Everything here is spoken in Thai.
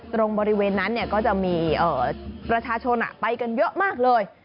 ตรงบริเวณนั้นก็จะมีประชาชนไปกันเยอะมากเลย